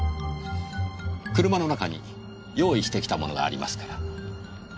車の中に用意してきたものがありますから。